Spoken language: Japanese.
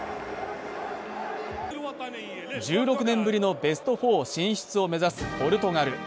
１６年ぶりのベスト４進出を目指すポルトガル。